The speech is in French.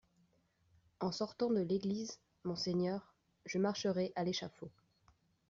En sortant de l'église, monseigneur, je marcherai à l'échafaud.